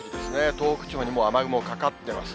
東北地方にも雨雲かかっています。